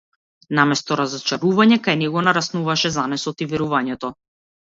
Наместо разочарување, кај него нараснуваше занесот и верувањето.